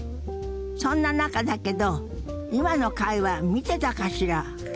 そんな中だけど今の会話見てたかしら？